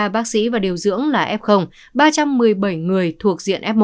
ba bác sĩ và điều dưỡng là f ba trăm một mươi bảy người thuộc diện f một